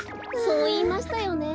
そういいましたよね。